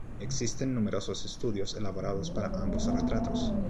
Existen numerosos estudios elaborados para ambos retratos.